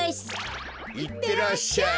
いってらっしゃい。